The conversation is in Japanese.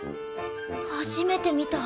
初めて見た。